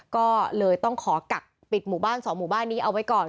ก็เลยต้องขอกักปิดหมู่บ้าน๒หมู่บ้านนี้เอาไว้ก่อน